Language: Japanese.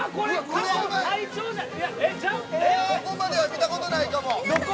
ここまでは見たことないかも。